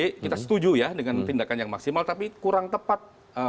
oke kita setuju ya dengan tindakan yang maksimal tapi kurang tepat